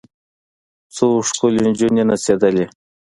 څو ښکلې نجونې نڅېدلې.